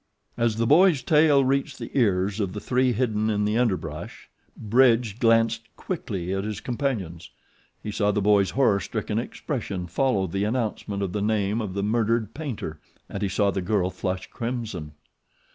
As the boy's tale reached the ears of the three hidden in the underbrush Bridge glanced quickly at his companions. He saw the boy's horror stricken expression follow the announcement of the name of the murdered Paynter, and he saw the girl flush crimson.